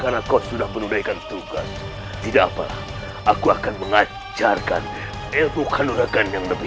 karena kau sudah menunaikan tugas tidak apalah aku akan mengajarkan ilmu kanuragan yang lebih